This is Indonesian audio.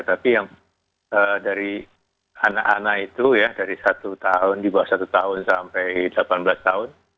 tapi yang dari anak anak itu ya dari satu tahun di bawah satu tahun sampai delapan belas tahun